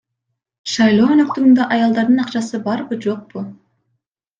Шайлоо өнөктүгүндө аялдардын акчасы барбы, жокпу?